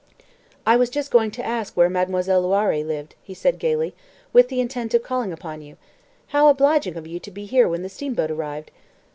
"I was just going to ask where Mademoiselle Loiré lived," he said gaily, "with the intent of calling upon you. How obliging of you to be here when the steamboat arrived."